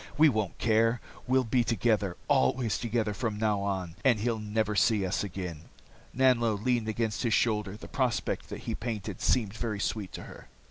We won't care. We'll be together, always together from now on, and he'll never see us again." Nanlo leaned against his shoulder, the prospect that he painted seemed very sweet to her.